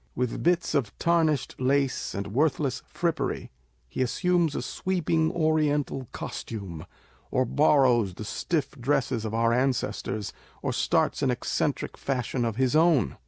With bits of tarnished lace and worthless frippery, he assumes a sweeping oriental costume, or borrows the stiff dresses of our ancestors, or starts an eccentric fashion of his own.